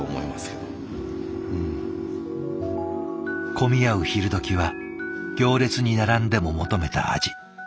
混み合う昼どきは行列に並んでも求めた味。